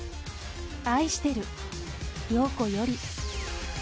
愛してる、涼子より。